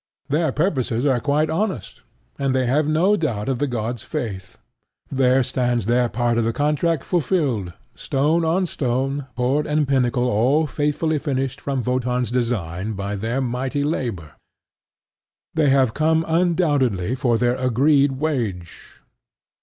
Their purposes are quite honest; and they have no doubt of the god's faith. There stands their part of the contract fulfilled, stone on stone, port and pinnacle all faithfully finished from Wotan's design by their mighty labor. They have come undoubtingly for their agreed wage.